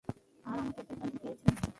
আর আমাকে পেছন থেকে ডাকছে।